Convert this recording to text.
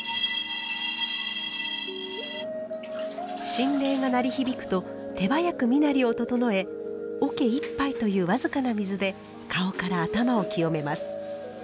振鈴が鳴り響くと手早く身なりを整え桶一杯という僅かな水で顔から頭を清めます。